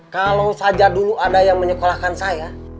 kalau saja dulu ada yang menyekolahkan saya